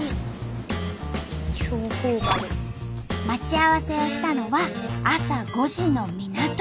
待ち合わせしたのは朝５時の港。